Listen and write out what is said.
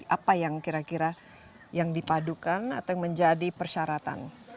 apa yang kira kira yang dipadukan atau yang menjadi persyaratan